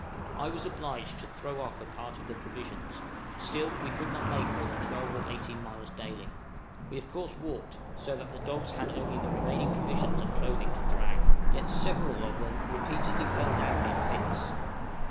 I was obliged to throw off a part of the provisions; still we could not make more than 12 or 18 miles daily. We of course walked, so that the dogs had only the remaining provisions and clothing to drag, yet several of them repeatedly fell down in fits.